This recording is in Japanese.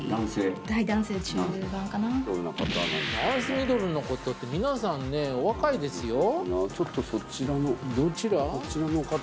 はい男性中盤かなナイスミドルの方って皆さんねお若いですよちょっとそちらのどちら？